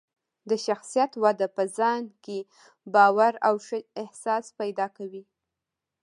د شخصیت وده په ځان کې باور او ښه احساس پیدا کوي.